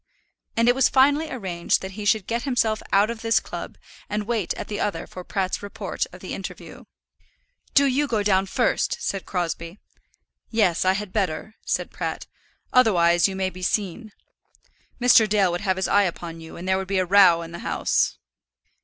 And it was finally arranged that he should get himself out of this club and wait at the other for Pratt's report of the interview. "Do you go down first," said Crosbie. "Yes: I had better," said Pratt. "Otherwise you may be seen. Mr. Dale would have his eye upon you, and there would be a row in the house."